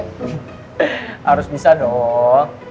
harus bisa dong